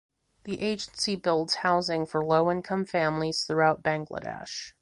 The agency builds housing for low income families throughout Bangladesh.